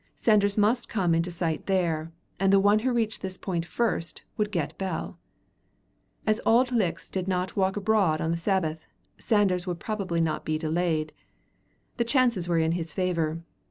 Sanders must come into sight there, and the one who reached this point first would get Bell. As Auld Lichts do not walk abroad on the Sabbath, Sanders would probably not be delayed. The chances were in his favor.